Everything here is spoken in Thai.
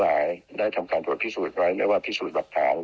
แล้วเราก็จะมีการมาส่านพิสูจน์หลักถาม